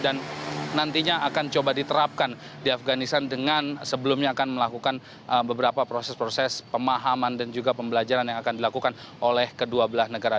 dan nantinya akan coba diterapkan di afganistan dengan sebelumnya akan melakukan beberapa proses proses pemahaman dan juga pembelajaran yang akan dilakukan oleh kedua belah negara